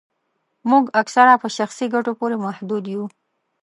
موږ اکثره په شخصي ګټو پوري محدود یو